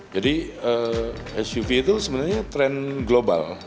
jadi suv itu sebenarnya tren global